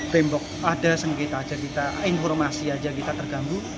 tembok ada sengketa aja kita informasi aja kita terganggu